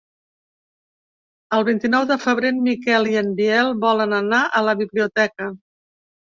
El vint-i-nou de febrer en Miquel i en Biel volen anar a la biblioteca.